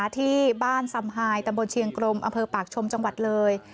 ที่บ้านสำไฮตำบลเชียงกรมอำเภอปากชมจังหวัดเลย